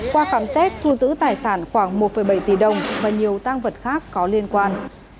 qua khám xét thu giữ tài sản khoảng một bảy tỷ đồng và nhiều tăng vật khác có liên quan